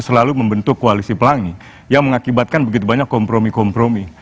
selalu membentuk koalisi pelangi yang mengakibatkan begitu banyak kompromi kompromi